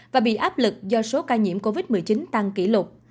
và bị áp lực do số ca nhiễm covid một mươi chín tăng kỷ lục